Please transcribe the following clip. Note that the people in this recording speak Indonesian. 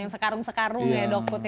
yang sekarung sekarung ya dog food nya